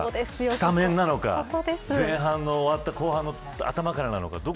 スタメンなのか、前半の終わって後半の頭からなのか。